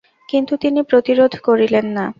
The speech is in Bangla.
কিন্তু তিনি প্রতিরোধ করিলেন না।